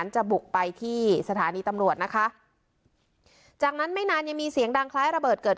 จะบุกไปที่สถานีตำรวจนะคะจากนั้นไม่นานยังมีเสียงดังคล้ายระเบิดเกิด